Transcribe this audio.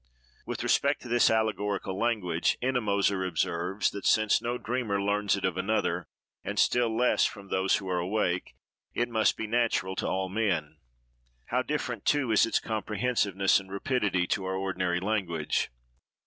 With respect to this allegorical language, Ennemoser observes, that, "since no dreamer learns it of another, and still less from those who are awake, it must be natural to all men." How different too, is its comprehensiveness and rapidity, to our ordinary language!